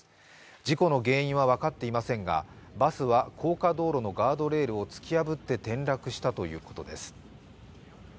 事故の原因は分かっていませんがバスは高架道路のガードレールを突き破って転落したということです。